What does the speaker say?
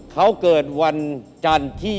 เขาเกิดวันจันทร์ที่